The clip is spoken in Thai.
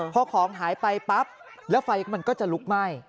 พอของหายไปปั๊บแล้วไฟมันก็จะลุกไหม้